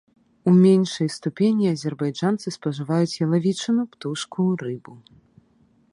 У меншай ступені азербайджанцы спажываюць ялавічыну, птушку, рыбу.